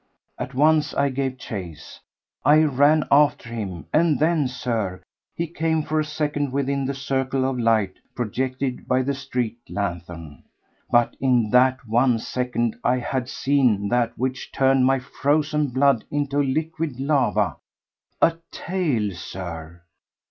At once I gave chase. I ran after him—and then, Sir, he came for a second within the circle of light projected by a street lanthorn. But in that one second I had seen that which turned my frozen blood into liquid lava—a tail, Sir!